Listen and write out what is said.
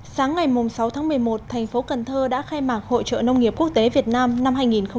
sáng ngày sáu tháng một mươi một thành phố cần thơ đã khai mạc hội trợ nông nghiệp quốc tế việt nam năm hai nghìn một mươi chín